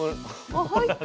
あっ入った。